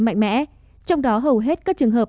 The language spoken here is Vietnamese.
mạnh mẽ trong đó hầu hết các trường hợp